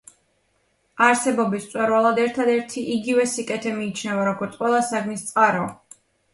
არსებობის მწვერვალად ერთადერთი იგივე სიკეთე მიიჩნევა, როგორც ყველა საგნის წყარო.